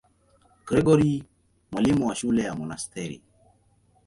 Gregori, mwalimu wa shule ya monasteri.